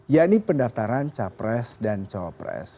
yakni pendaftaran capres dan cawapres